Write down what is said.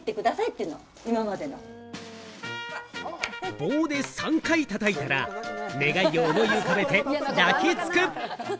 棒で３回たたいたら、願いを思い浮かべて抱きつく。